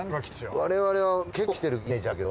我々は結構来てるイメージあるけど。